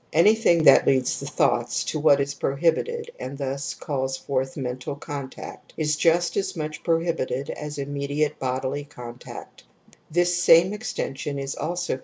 Anything that leads the thoughts to what is prohibited and thus calls forth mental ^"^ contact is just as much prohibited as immediate bodily contact ; this same extension is also